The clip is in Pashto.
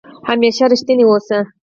همېشه ریښتونی اوسه